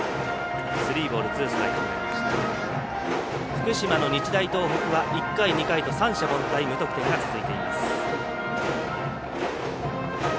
福島の日大東北は１回、２回と三者凡退無得点が続いています。